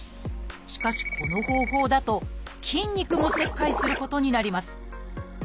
しかしこの方法だと筋肉も切開することになります。